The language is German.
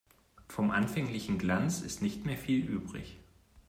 Vom anfänglichen Glanz ist nicht mehr viel übrig.